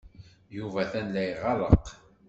Yuba atan la iɣerreq.